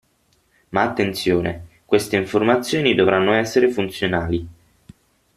Ma attenzione, queste informazioni dovranno essere funzionali.